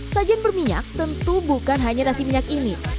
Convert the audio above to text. sajian berminyak tentu bukan hanya nasi minyak ini